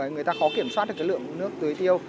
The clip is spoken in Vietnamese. người ta khó kiểm soát được cái lượng nước tưới tiêu